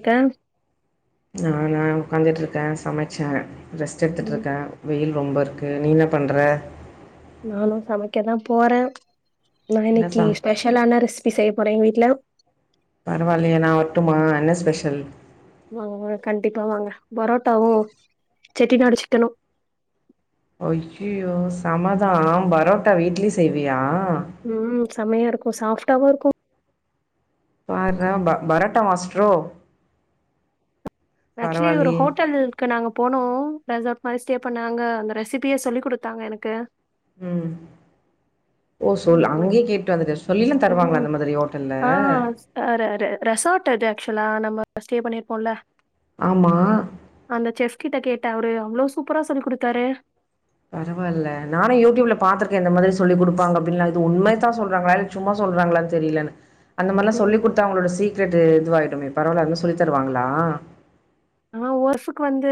க்க ந ந உட்காந்துட்டுருக்கேன் சமைச்சேன் ரெஸ்ட் ம் எடுத்துக்ட்டுருக்கேன் வெயில் ரொம்ப இருக்குது நீ என்ன பண்ற நானும் சமைக்கதான் போறேன் நான் என்ன எனக்கு சா ஸ்பெஷல் ஆான ரெசிபி ச ஒரே வீட்டுல பரவால்லையே நான் வரட்டுமா என்ன ஸ்பெஷல் வாங்க வாங்க கண்டிப்பா வாங்க பரோட்டாவும் செட்டிநாடு சிக்கனும் அய்யோ சமதான் பரோட்டா வீட்லயே செய்வியா உம் செமையா இருக்கும் சாப்ப டவர் கோ பார்றா பரோட்டா மாஸ்ட்ரோ ஆக்சுவலி ஒரு பரவாயில்லையே ஹோட்டல் இருக்கு நாங்க போனோம் ரெசார்ட் மாரி ஸ்டே பன்ன அங்க அந்த ரெசிபியே சொல்லி கொடுத்தாங்க ம் ஓ சொல் ம் உனக் அங்கயே கேட்டு வந்துட்ட சொல்லிலாம் தருவாங்களா ம் அந்த மாதிரி ஹோட்டல்ல து ஆக்சுவலா நம்ம ஸ்டே பண்ணிருப்போம்ல ஆமா கிட்ட கேட்டா அவரு அவ்ளோ சூப்பரா சொல்லி குடுத்தாரு பரவாயில்ல நானு ம் யூடியூப்ல பாத்திருக்கே இந்த மாரி சொல்லிகுடு ப்பங்க அப்டின்னு இது உண்மையதா சொல்றாங்களா இல்ல சும்மா சொல்றாங்களான்னு தெரியல அந்த மாதிரிலா சொல்லி ம் கொடுத்தா அவங்ளோட சீ [unintelligible] இதுவாகடுமே பரவாயல அதலா சொல்லி தருவாங்களா ஆஹ் ஒருசுக்கு வந்து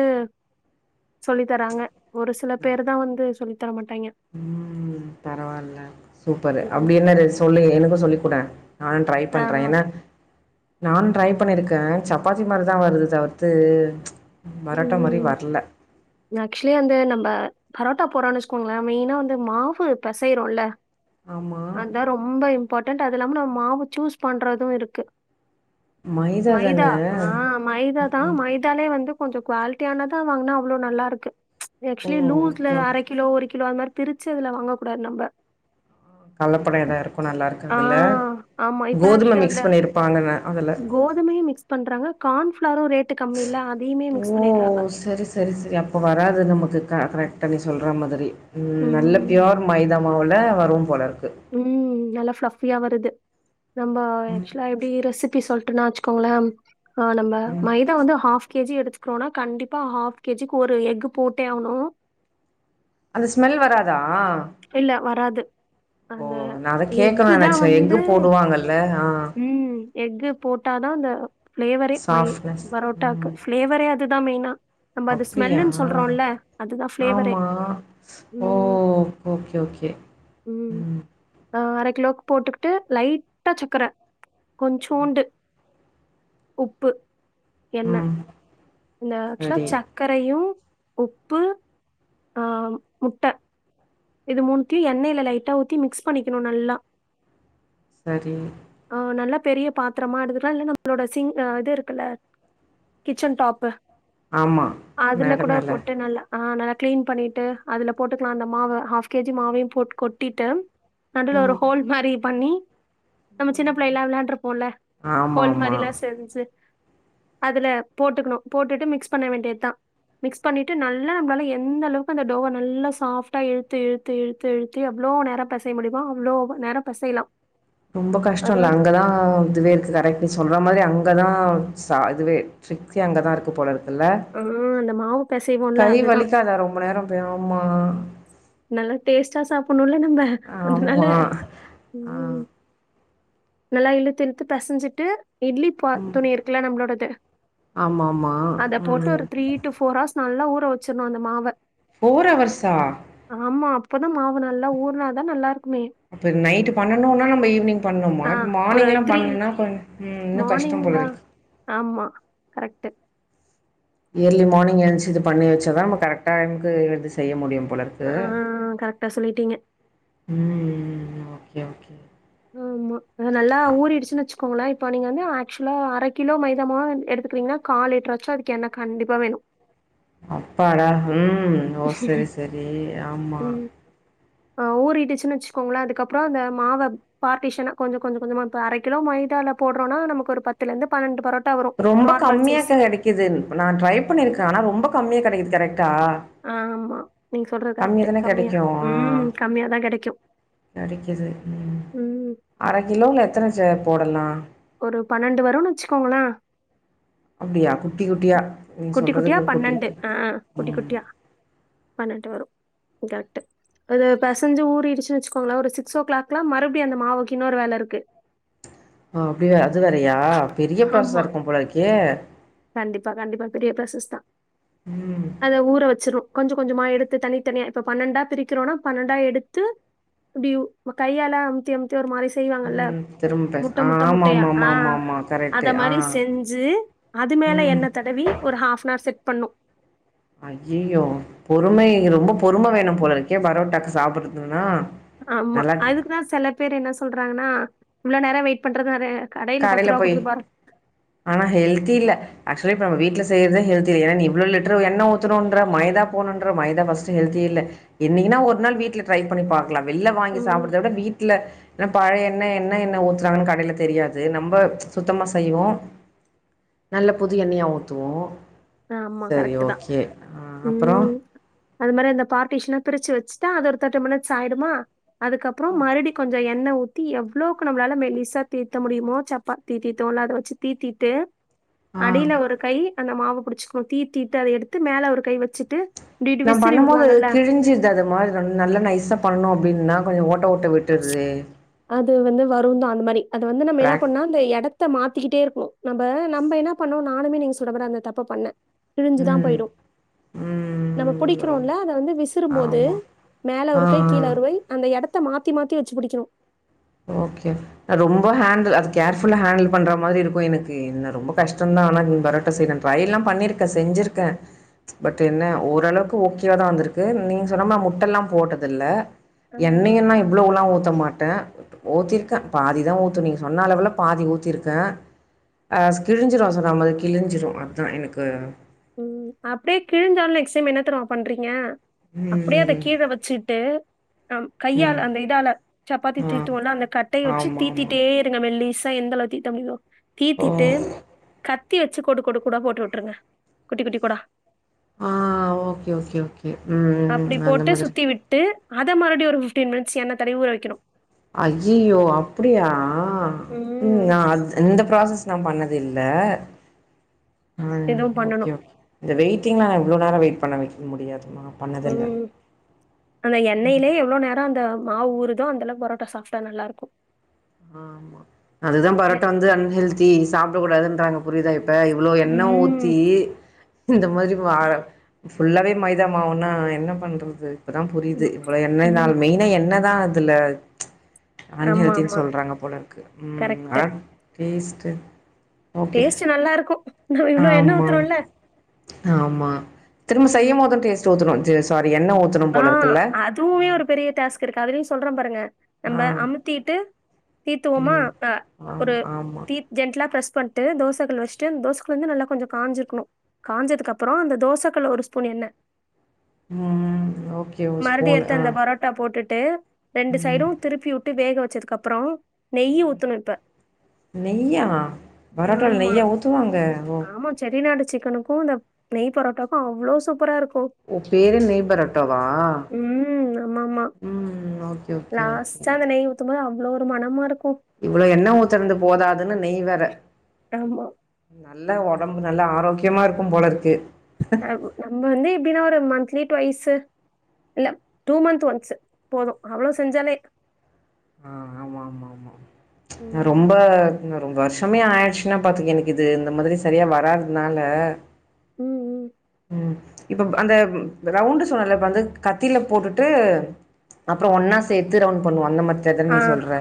சொல்லி தராங்க ஒரு சில பேர் தா வந்து சொல்லி தர மாட்டாய்ங்க. உம் பரவாயில்ல சூப்பரு ம். அப்டி என்ன சொல்லுங்க எனக்கு சொல்லி போடா நானு ட்ரை ஆ. பண்றே ஏன்னா நானு ட்ரை பண்ணிருக்கே சப்பாத்தி மாதிரிதா வருது தவிர்த்து பரோட்டா மாரி உம் வரல ஆக்சுவலி வந்து நம்ம பரோட்டா போறான்னு வச்சுக்கோங்களே மெயினா வந்து மாவு பெசயரோல ஆமா அதா ரொம்ப இம்பார்ட்டன் அது இல்லாம நம்ம மாவு சூஸ் பண்றது இருக்கு மைதா ஆஹ் மைதா தா மைதாலே வந்து கொஞ்சம் குவாலிட்டியானதா வாங்கினா அவ்வளோ நல்லாருக்கு ஓ ஆக்சுவலி லூஸ்ல ஓகே ஓகே அரை கிலோ ஒரு கிலோ அந்த மாரி பிரிச்சதுல வாங்க கூடாது நம்ம கள்ளப்பட எதாவ இருக்கு நல்லா ஆ இருக்கதுல கோதுமை மிக்ஸ் பண்ணிருப்பாங்கன்ன கோதுமையை மிக்ஸ் பண்றாங்க கான்ஃ கான்பிலர் உம் ரேட்டு கம்மி இல்ல அதையுமே மிக்ஸ் ஓ பண்ணிடுறாங்க சரி சரி சரி அப்ப வராது நமக்கு க கரெக்ட் நீ சொல்ற மாதிரி உம் நல்ல ம். பியோர் மைதா மவுல வரும் போல இருக்கு உம் நல்ல ஃலப் ஃபியா வருது நம்ப ஆக்சுவலா எப்டி ரெசிபி சொல் ட்டு நா வச்சுக்கோங்களே ஆஹ் நம்ம மைதா வந்து ஹாஃப் கே ஜி எடுத்துக்கிறோனா கண்டிப்பா ஹாஃப் கே ஜிக்கு ஒரு எஃகு போட்டே ஆகணு அந்த ஸ்மெல் வராதா இல்ல வரா து ஓ நா அதா கேக்கணு நினச்சேன் எஃகு போடுவாங்கல்ல ஆஹ் உம் எஃகு போட்டா அதான் அந்த ஃப்ளேவரே மை சாஃப்ட்னஸ் பரோட்டாக்கு ம் ஃப்ளேவரே அதுதான் மெயினா நம்ப அது அப்டியா ஸ்மெல்லுன்னு சொல்றோம்ல அதுதான் ஃப்ளேவரே ஆமா ஓ உம் ஓகே ஓகே உம் ம் ஆ அரை கிலோவுக்கு போட்டுக்கிட்டு லைட்டா சக்கரை கொஞ்சூண்டு உப்பு எண்ணெய். உம் இந்த ஆக்ச்சுலா சக்கரை யும் உப்பு ஆம் முட்ட இது மூணத்தியு எண்ணெயில லைட்டா ஊத்தி மிக்ஸ் பண்ணிக்கணு நல்லா சரி ஆ நல்லா பெரிய பாத்தரமா எடுத்துகலாம் இல்ல நம்மளோட சிங் இது இருக்குல கிச்சன் டாப்பு ஆமா அதுல மேட கூட மேல போட்டு நல்லா ஆஹ் நல்லா கிளீன் பண்ணிட்டு அதுல போட்டுக்கலாம் அந்த மாவ ஆஃப் கேஜி மாவயும் போட் கொட்டிட்டு நடுவுல ஒரு ஹோல் மாரி பண்ணி [inaudible] நம்ம சின்ன புள்ளைலா விளயாண்ட்டுயிருப்போம்ல ஆமா ஹோல் ஆமா மாரிலாம் செஞ்சு அதுல போட்டுக்கணு போட்டுட்டு மிக்ஸ் பண்ண வேண்டிதான் மிக்ஸ் பண்ணிட்டு நல்லா நம்பளால எந்த அளவுக்கு அந்த டோவ நல்லா சாஃப்ட்டா இழுத் து இழுத்து இழுத்து இழுத்து எவ்ளோ நேரம் முடியுமா அவ்ளோ நேரம் பெசைலாம் ரொம்ப கஷ்டொல்ல அங்கதான் இதுவே இருக்கு கரெக்ட் நீ சொல்ற மாதிரி அங் கதா ச இதுவே ட்ரிக்கே அங்கதா இருக்கு போல இருக் எல்ல ஆ அந்த மாவு பெசைவோம்ல கை அதுதான். வலிக்காதா ரொம்ப நேரம் பாவுமா நல்லா டேஸ்டா சாப்புணுல்ல நம் ப அதனால ஆமா ஆ உம் நல்லா இழுத்து இழுத்து பெசஞ்சிட்டு இட்லி பாத் துணி இருக்குல நம்மளோடது ஆமாமா அத போட்டு ஒரு ம் த்ரீ டூ ஃபோர் ஹவர்ஸ் நல்லா ஊர ஊர வச்சிட்ணும் அந்த மாவ ஃபோர் அவர்ஸ்ஸா ஆமா அப்பதான் மாவு நல்லா ஊர்னாதான் நல்லா இருக்கு அப்ப நைட் பண்ணனுனா நம்ம ஈவினிங் பண்ணுமா ஆ ஒரு மார்னிங்லாம் பண்லனா கொஞ் உம் இன்னும் கஷ்டம் போலருக்கு கரெக்ட் இயர்லி மார்னிங் எழுந்திச்சி இத பண்ணி வச்சதா நம்ம கரெக்ட் டைமுக்கு எழுந்து செய்ய முடியும் போல இருக்கு ஆ கரெக்டா சொல்லிட்டீங்க ம் ஓகே ஓகே ஆமா நல்லா ஊறிடுச்சுனு வச்சுக்கோங்களே இப்ப நீங்க வந்து ஆக்சுவலா அரை கிலோ மைதா மாவு எடுத்துக்கிறீங்கன்னா கால் லிட்டராச்சும் அதுக்கு எண்ண கண்டிப்பா வேணும் அப்பாடா ம் ம் ஓ செரி செரி ஆமா ம். ஆ ஊறிடுச்சுனு வச்சுக்கோங்களே அதுக்கப்பறோ அந்த மாவ பார்ட்டிஷனா கொஞ்சம் கொஞ்சம் கொஞ்சமா இப்ப அரை கிலோ மைதால போடுறோம்னா நமக்கு ஒரு பத்துலெந்து பன்னெண்டு பரோட் ரொம்ப கம்மியா கெடைக்குது நா ட்ரை பண்ணிருக்கேன் ஆனா ரொம்ப கம்மியா கிடைக்குது கரெக்ட் ஆ ஆமா நீங்க சொல்றது கம்மி கரெக்ட்டு. தானே கம்மியா கிடைக்கும் ஆ ம். கம்மியா தான் கிடைக்கும். கடைக்குதும் ம். அரை கிலோல எத்தன போடலாம் ஒரு பன்னென்டு வருன்னு வச்சுக்கோங்கள அப்படியா குட்டி குட்டியா. நீ குட்டி சொல்றது குட்டியா கு குட்டி பன்னெண்டு குட்டி. ஆ குட்டி ம். குட்டியா பன்னெண்டு வரும் காரக்ட்டு அது பெசஞ்சு ஊறிடிச்சுனு வச்சுக்கோங்கள ஒரு சிக்ஸ் ஓ கிளாக்லாம் மறுபடி அந்த மாவுக்கு இன்னோரு வேல இருக்கு ஆ அப்டியா அது வேறயா பெரிய ப்ராசசா ஆமா. இருக்கும் போலருக்கே கண்டிப்பா, கண்டிப்பா பெரிய பிராசஸ்தா ம். அத ஊற வச்சி கொஞ்சம் கொஞ்சமா எடுத்து தனி தனியா இப்ப பன்னெண்டா பிரிக்கிறோனா பன்னெண்டா எடுத்து அப்டியு ஒரு கையால அம்தி அம்தி ஒரு மாரி செ செய்வாங்கல்ல ம். திரும்ப பேச முட்ட ஆ முட்ட முட்டையா ஆ ஆமாமாமாமாமா. அத கரெக்ட்டு. ஆ. மாரி செஞ்சு அது து மேல ம். எண்ண தடவி ஒரு ஹாஃப்னா ர் செட் பண்ணும் ஐய்யயோ பொறுமை ரொம்ப பொறும வேணும் போலிருக்கே பரோட்டாக்கு சாப்பிடுறதுனா ஆமா அதுக்குதா செல பேர் என்ன சொல்றாங்கன்னா இவ்ளோ நேர வெயிட் பண்றது அது கடைல போய் ஆனா ஹெல்த்தி இல்ல ஆக் இதுல நம் வீட்ல செய்யிறத ஹெல்தி இல்ல ஏன்னா இவ்ளோ லிட்டர் எண்ண ஊற்றணுன்ற மைதா போணுன்ற மைதா ஃபர்ஸ்ட்டு ஹெல்தி இல்ல என்னிக்குன்னா ஒரு நாள் வீட்ல ட்ரை பண்ணப்பாக் நா வெள்ல வாங்கி ம் சாப்புட்றத விட வீட்ல ஏன்னா பழைய எண்ண என்ன எண்ண ஊத்துறாங்கன்னு கடையில தெரியா து நம்ம சுத்தமா செய்வோ நல்ல புது எண்ணயா ஊத்துவோம் ஆமா சரி கரெக்ட் தான் ஓகே. ஆ உஹம் அப்புறம்? ம் அது மாரி அந்த பார்ட்டிஸ்ஷனா பிரிச்சு வச்சு வச்டா அது ஒரு தேர்ட்டி மினிட்ஸ் ஆய்டுமா அதுக்கப்பறோ மறுடி கொஞ்ச எண்ணெய் ஊத்தி ஊத்தி எவ்ளோக்கு நம்மளால மெலிசா தீத்த முடியமோ சப்பாத்தி தீதுவோல அத வச்சு தீத்திட்டு ஆ. அடியில ஒரு கை அந்த மாவு புடிச்சிக்கணு தீத்திட்டு அத எடுத்து மேல ஒரு கை வெச்சிட்டு நா பண்ணம் போது அது கிழிஞ்சிர்து அத மாரி நல் நல்லா நைசா பண்ணோ அப்டின்னா கொஞ்சொ ஓட்ட ஓ ட்ட விட்டுருது து வந்து வருந்தா அந்த மாரி அது வந்து நம்ம என்னா ப்ராக் பண்ணுனா அந்த எடத் த மாத்திக்கிட்டே இருப்போ நம்ப நம்ப என்ன பண்ணோ நானுமே நீங்க சொல்ற மார்தா அந்த தப்ப பண்ண கிழிஞ்சுதா ம் போய்டு ம் நம்ம ம் வரும் புடிக்கிறோல்ல அத வந்து விசுறும்போது ஆமா மேல ஆ ஒரு கை கீழ ஆ ஒரு வை அந்த எடத் த மாத் தி மாத்தி வெச்சி புடிக்கணு ஓகே நா ரொம்போ ஹேண்டில் அது கேர்ஃபுல்லா ஹேண்டில் பண்ற மாரி இருக்கு எனக்கு என்ன ரொம்ப கஷ்டொந்தா ஆனா பரோட்டா செய்ற ட்ரைலாம் பண்ணிருக்க செஞ்சிருக்க பண்ட்டு என்ன ஓரளவுக்கு ஓகேவாதா வந்துருக்கு நீங்க சொன்னமா முட்டல்லா போட்டதில்ல ஆ எண்ணெய்யெல்லா இவ்ளோவுல்லா ஊத்த மாட்ட ஊத்திருக்க பாதிதா ஊத்து நீங்க சொன்ன அளவுல பாதி ஊத்திருக்க அ ஸ் கிழிஞ்சிரு சொன்ன மாறி கிழிஞ்சிரு அதா எனக்கு உம் அப்டியே கிழிஞ்சாலு நெக்ஸ்ட் டைம் என்னா தெரியுமா பண்றீங்க அப்டியே அத ம். கீழ வச்சிட்டு அ ம். கையால அந்த இதால சப்பாத்தி ஆ. தீத்துவோல்ல அந்த கட்டைய வெச்சு ஆமாமா. தீத்திட்டே இருங்க மெல்லீஸ் சா எந்த அளவு தீட்ட முடியிதோ ஓ! தீத்திட்டு கத் த்தி வெச்சி கோடு கோடு கோடா போட்டு உட்ருங்க குட்டி குட்டி கோடா ஆ ஓகே ஓகே ஓகே உம் அந்த மாதிரி அத மறுபடி ஒரு ஃபிஃப்டீன் மினிட்ஸ் எண்ண தடவி ஊற வெக்கணு அய்யய்யோ அப்டியா உம் ம் நா அந் இந்த ப்ராசஸ் நா பண்ண தில்ல ம் இதுவும் ஓகே பண்ணணும் ஓகே இந்த வெய் க்கிங்னா நா இவ்ளோ நேரொ வெய்ட் பண்ண வெக்க முடியாது உம் அந்த எண்ணெயிலயே எவ்ளோ நேரொ அந்த மாவு ஊரு தோ அந்தளவுக் பரோட்டா சாஃப்ட்டா நல்லாருக்கு அதுதா பரோட்டா வந்து அன்ஹெல்தி சாப் ட கூடாதுன்றாங்க புரிதா இப் இப்ப இவ்ளோ எண்ண ம் ஊத்தி இந்த மாரி மா ஃபுல்லாவே மைதா மாவுன்னா என்ன பண்றது இப்பதா புரியிது ம், இவ்ளொ எண்ணெய்னால் ம். மெய்னா எண்ண தா அதுல ஆமா அன்ஹெல்த்தின் சொ ஆமா சொல்றாங்க போலருக்கு உம் அனா வேஸ்ட்டு டேஸ்ட்டு நல்லாருக்கும் நபே இவ்ளோ எண்ண ஆமா, ஊத்ரோம்ல ஆமா திரும்ப செய்யும்மோது டேஸ்ட்டூத்ரோம் டேஸ் ஸாட் ஆ அதுவுமே ஒரு பெரிய டாஸ்க் இருக்கு அதுலயு சொல்ற பாருங்க ஆ, நம்ப அமுத்தீட்டு தீத்துவோமா ம். அ ஆமா, ஒரு ஆமா. தீ ஜென்ட்லா ஃப்ரஸ் பண்ட்டு தோசகள் வெச்ட்டு அந் தோசக்குல் வந்து நல்லா கொஞ்ச காஞ்ருக்கணு காஞ்சதுக்கப்பறோ அந்த தோசக்கள்ள ஒரு ஸ்பூன் எண்ண ம். ஓகே ஒரு மறுப்டி ஸ்பூன் எடுத்து ஆ. அந்த போரோட்டா போட்டுட்டு ரெண்டு ம். சைடூ திருப்பி உட்டு வேக வெச் ச்சதுக்கு அப்றோ நெய்யி ஊத்தணூ இப்ப நெய்யா பராட்டால ஆமா. நெய்யா ஊத்துவாங்க ஓ சிக்கனுக்கூ இந்த நெய் போராட்டாக்கூ அவ்ளோ சூப்பராருக்கூ ஊ பேர் என்ன நெய் பரோட்டா வா ம். ஆமாமா. ஊம் ஓக்கே ஓக்கே ஓக்கே ள ஒரு மனம்மாருக்கும் இவ்வள எண்ண ஊத்தனது போதாதுன்னு நெய்வேற ஆமா. நல்ல ஒடம்பு நல்ல ஆரோக்யமாருக்கும் போலருக்கு [unintelligible] நம் வந்து எப் எப்பின்னா ஒரு மந்த்லி ட்வைஸ்ஸு இல்ல டூ மந்த் ஒன்ஸ்ஸு போதும் அவ்ளோ செஞ்சாலே நா ம், ரொம்ப இன்னு ரொம்ப வர்ஷ்ஷமே ஆய்டுச்ன்னா பாத்துக்க எனக் இது இந்த மாதிரி சரியா வராததுனால உம் உம் உம் இப்ப அந்த ரவுண்டு சொன்னல்ல இப் வந்து கத்தில போட்டுட்டு அப்றோ ஒன்னா சேத்து ரவுண்ட் பண்ணுவோ அந்த மா ஆ நீ சொல்ற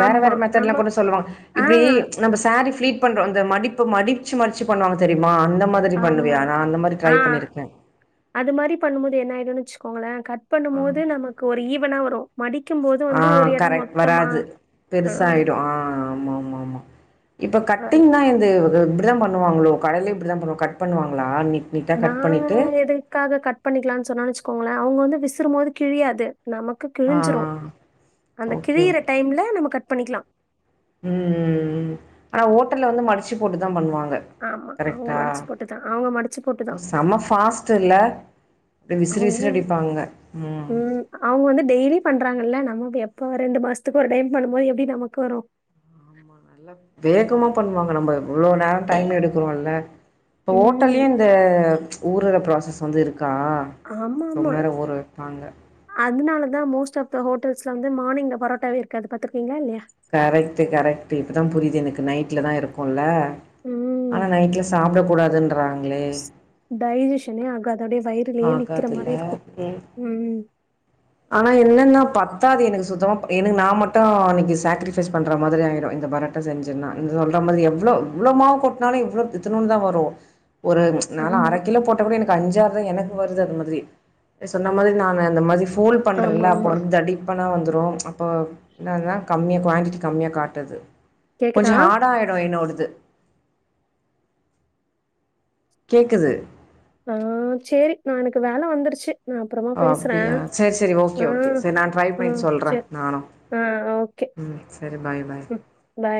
வேற ஆமா வேற நம்ம மெத்தட்லாம் கூட சொல்லுவாங்க ஆ இப்படி நம்ம சாரி பளீட் பண்ற மடிப்பு மடிச்சு மடிச்சு பண்ணுவாங்க தெரியுமா அந்த மாதிரி பண்ணுவியா டா அந்த மாதிரி ட்ரை ஆஹ் பண்ணிருக்கேன் அது மாதிரி பண் முடியா என்னாயிடும் வெச்சுக்கோங்களன் கட் பண்ணும் போது நமக்கு ஒரு இவ் பண்ண வறு ஆஹ் கரெக்ட் வராது ஆ, பெருச ஆயிடும் ஆஹ் ஆமா ஆமா ஆமா இப்ப ஆ, கட்டிங் தா து தா பண்ணுவாங்களோ கடல இப்படிதா கட் பண்ணுவாங்களா நீ நா எதுக்காக கட் பண்ணிக்கலாம்னு சொன்னு வச்சுக்கோங்களே அவுங்க வந்து விச ரும்போது கிழியாது நமக்கு ஆ கிழிஞ்சிரு அந்த ஓகே கிழியிற டைம்ல நம பண்ணிக்கலா உம் உம் ஆனா ஓட்டல்ல வந்து மடிச்சு போட்டு தா பண்ணுவாங்க ஆமா அவங்க கரெக்டா மடிச்சு போட்டுதான் அவங்க மடிச்சு போட்டுதான் செம பாஸ்ட் இல்ல அப்படியே விசிறு அவ்ங்க விசிறு அடிப்பாங்க. ம். உம் அவ்ங்க வந்து டெய்லி பண்றாங்கல்ல நம்ம எ இப்ப ரெண்டு மாசத்துக்கு ஒரு டைம் பண்ணும்போது எப்டி நமக்கு வரு ஆமா நல்லா வேகமா பண்ணுவாங்க நம்ம இவ்ளோ நேரம் டைம் எடுக்குறோம்ல இப்ப ஓட்டலயு ம். இந்த ஊரு ப்ராசஸ் வந்து இருக்கு அக்கா ரொம்ப ஆமாமா. நேரம் ஊர வைப்பாங்க அதனால மோஸ்ட் ஆப் த ஹோட்டல்ஸ்ல வந்து மார்ங் பரோட்டாவே இருக்காது பாத்துறிங்களா இல்லயா நைட்டில் தா இருக்கும்ல ஆனா நைட்ல சாப்பிட கூடாதுன்றாங் டைஜுஸனே ஆகா ம். ஆனா என்னனு பத் பத்தா எனக்கு சுத்தமா எனக்கு நா மட்டு இன்னைக்கு சேக்கிரிபைஸ் பண்ற மாதிரி ஆயிடு இந்த பரட்டை செசுன்னா சொல்ற மாரி எவ்ளோ இவ்வளவு மாவு கொட்டனாலும்வ்ளோ த்தணுனு தா வரும் ஒரு நால ஆமா. அரை கிலோ போட்ட கூட எனக்கு கஞ்சாதா எனக்கு வருது அது மாதிரி சொன்ன மாரி நானு அந்த மாரி போல் பண்ணுறில்ல அப்போ ஆமாமா. வந்து தடிப்பனா வந்துடும் அப்போ என்ன இருந்தால் கம்மியாக குவாடிட்டி கம்மியாக காட்டுது கொஞ்சோ கேக்குதா? ஹார்ட ஆயிடு என்னொடுது கேக்குது ஆஹ் செரி நா எனக்கு வேல வந்துருச்சு நான் அப்புறமா ஓ பேசுறேன். அப்டியா செரி செரி ஓகே ஆ, ஓகே சரி நா ட்ரை பண்ணி ம். சொல்றே சரி. நானு ஆ ஓகே. ம் சரி பாய் பாய் ம். பை.